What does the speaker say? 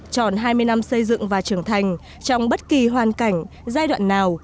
chọn hai mươi năm xây dựng và trưởng thành trong bất kỳ hoàn cảnh giai đoạn nào